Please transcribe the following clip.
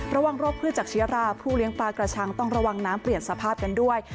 โรคพืชจากเชื้อราผู้เลี้ยงปลากระชังต้องระวังน้ำเปลี่ยนสภาพกันด้วย